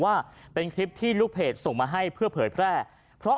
ว่าเป็นคลิปที่รูปเพจส่งมาให้เพื่อเปิดแปร่